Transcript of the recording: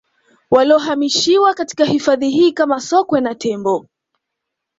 Waliohamishiwa katika hifadhi hii kama Sokwe na Tembo